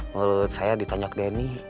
menurut saya ditanyok denny